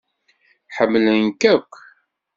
Ḥemmlen-k akk.